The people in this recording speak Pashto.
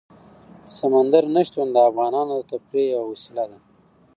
سمندر نه شتون د افغانانو د تفریح یوه وسیله ده.